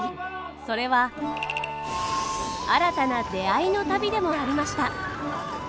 それは新たな出会いの旅でもありました。